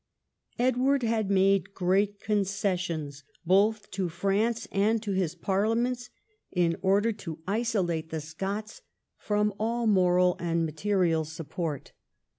Edward had made great concessions both to France and to his parliaments, in order to isolate the Scots from all moral and material support.